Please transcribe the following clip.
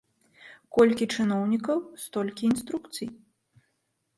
Колькі чыноўнікаў, столькі інструкцый.